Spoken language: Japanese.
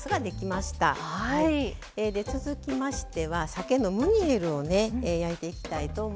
続きましてはさけのムニエルをね焼いていきたいと思います。